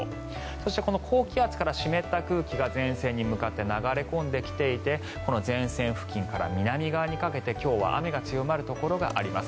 そして、高気圧から湿った空気が前線に向かって流れ込んできていて前線付近から南側にかけて今日は雨が強まるところがあります。